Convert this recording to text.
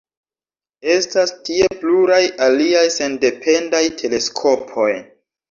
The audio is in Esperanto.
Estas tie pluraj aliaj sendependaj teleskopoj.